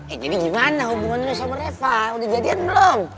eh jadi gimana hubungannya sama reva udah jadian belum